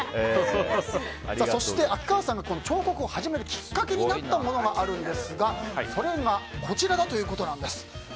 そして秋川さんが彫刻を始めるきっかけになったものがあるんですがそれが、こちらだということです。